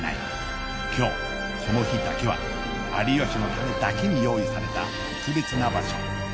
今日この日だけは有吉のためだけに用意された特別な場所